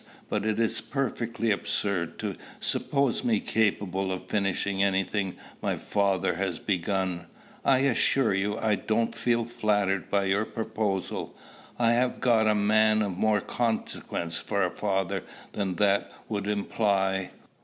but it is perfectly absurd to suppose me capable of finishing any thing my father has begun. I assure you I don't feel flattered by your proposal. I have got a man of more consequence for a father than that would imply."